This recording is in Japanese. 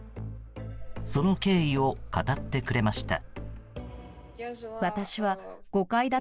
その経緯を語ってくれました。